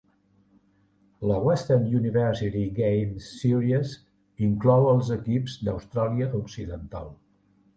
La Western University Games Series inclou els equips d'Austràlia Occidental.